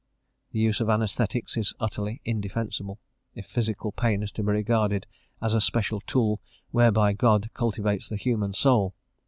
The use of anaesthetics is utterly indefensible, if physical pain is to be regarded as a special tool whereby God cultivates the human soul.